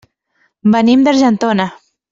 Venim d'Argentona.